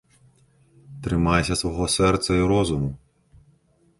Трымайся свайго сэрца і розуму.